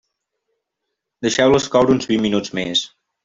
Deixeu-les coure uns vint minuts més.